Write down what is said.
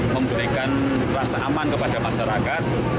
memberikan rasa aman kepada masyarakat